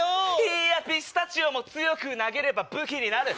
いやピスタチオも強く投げれば武器になる。